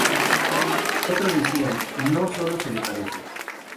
Otros decían, "No, sólo se le parece.